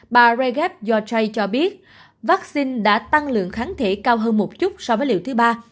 bà jaref yotray cho biết vaccine đã tăng lượng kháng thể cao hơn một chút so với liệu thứ ba